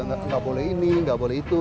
nggak boleh ini nggak boleh itu